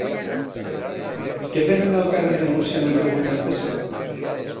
Què venen al carrer de Múrcia número vuitanta-cinc?